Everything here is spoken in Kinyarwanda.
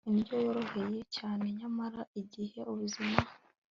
indyo yoroheje cyane nyamara igihe ubuzima